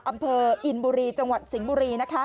อำเภออินบุรีจังหวัดสิงห์บุรี